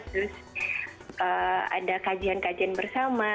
terus ada kajian kajian bersama